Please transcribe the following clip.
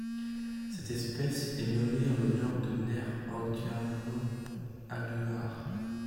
Cette espèce est nommée en l'honneur de Nair Otaviano Aguiar.